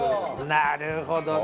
なるほどね。